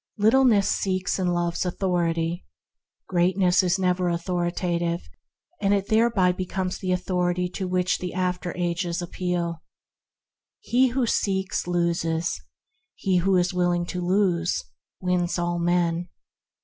Littleness seeks and loves authority. Greatness is never authoritative, and GREATNESS AND GOODNESS 147 thereby becomes the authority to which after ages appeal. He who seeks, loses; he who is willing to lose, wins all men.